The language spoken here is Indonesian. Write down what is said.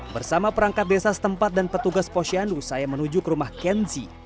bersama perangkat desa setempat dan petugas posyandu saya menuju ke rumah kenzi